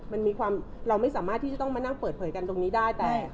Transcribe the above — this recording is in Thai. มันมีความเราไม่สามารถที่จะต้องมานั่งเปิดเผยกันตรงนี้ได้แต่